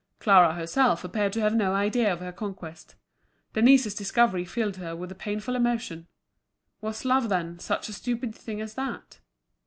Clara herself appeared to have no idea of her conquest. Denise's discovery filled her with a painful emotion. Was love, then, such a stupid thing as that?